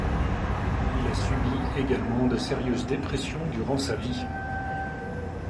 Il a subi également de sérieuses dépressions durant sa vie.